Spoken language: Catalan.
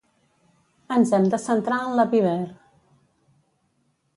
Ens hem de centrar en la Viber.